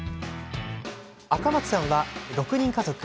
赤松さんは６人家族。